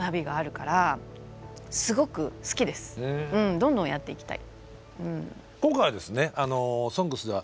どんどんやっていきたい。